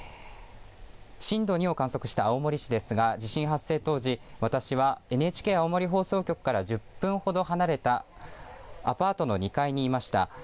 震度２を観測した青森市ですが地震発生当時私はＮＨＫ青森放送局から１０分ほど離れたアパートの２階にいました。